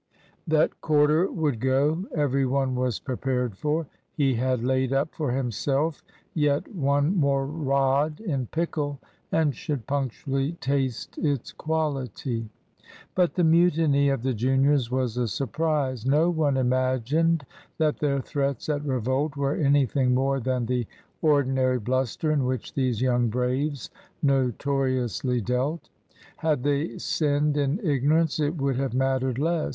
That Corder would go, every one was prepared for. He had laid up for himself yet one more rod in pickle, and should punctually taste its quality. But the mutiny of the juniors was a surprise. No one imagined that their threats at revolt were anything more than the ordinary bluster in which these young braves notoriously dealt. Had they sinned in ignorance it would have mattered less.